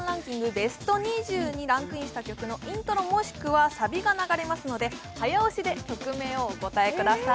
ベスト２０にランクインした曲の、イントロもしくはサビが流れますので早押しで曲名をお答えください。